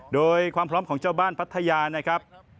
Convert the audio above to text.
โดยความพร้อมของเจ้าบ้านพัทยานะครับ